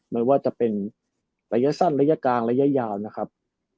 ไม่ว่าจะเป็นระยะสั้นระยะกลางระยะยาวนะครับ